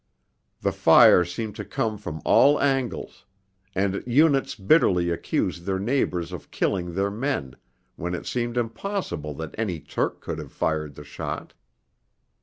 The fire seemed to come from all angles; and units bitterly accused their neighbours of killing their men when it seemed impossible that any Turk could have fired the shot.